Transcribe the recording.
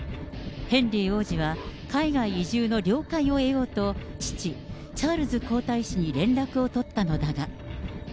ヘンリー王子は海外移住の了解を得ようと、父、チャールズ皇太子に連絡を取ったのだが。